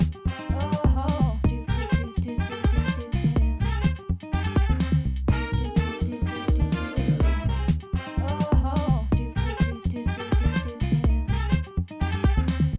โปรดติดตามตอนต่อไป